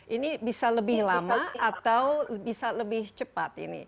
ini bisa lebih lama atau bisa lebih cepat ini